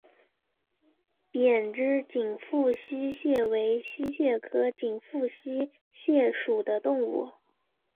扁肢紧腹溪蟹为溪蟹科紧腹溪蟹属的动物。